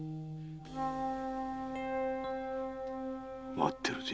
待ってるぜ。